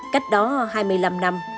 cách đó hai mươi năm năm